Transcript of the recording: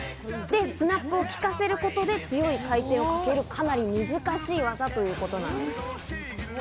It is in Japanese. スナップをきかせることで強い回転をかける、かなり難しい技ということなんです。